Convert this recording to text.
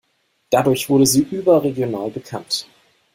Dadurch wurde sie überregional bekannt.